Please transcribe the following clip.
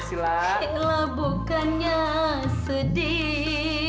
ella bukannya sedih